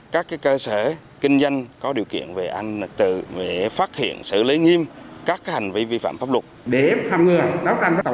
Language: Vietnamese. các cơ sở kinh doanh có điều kiện về phát hiện xử lý nghiêm các hành vi vi phạm pháp luật